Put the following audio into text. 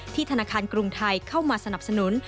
ธนาคารกรุงไทยเข้ามาสนับสนุน